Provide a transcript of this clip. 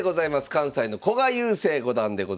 関西の古賀悠聖五段でございます。